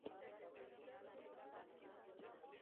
• د علیزي قوم ځوانان د کار او زحمت سره مینه لري.